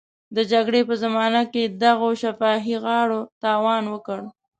د جګړې په زمانه کې دغو شفاهي غاړو تاوان وکړ.